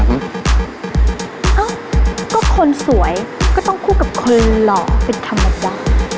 เอ้าก็คนสวยก็ต้องคู่กับคนหล่อเป็นธรรมดา